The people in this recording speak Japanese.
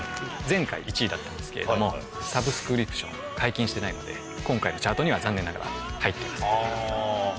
前回１位だったんですけれどもサブスクリプション解禁してないので今回のチャートにはざんねんながら入っていません。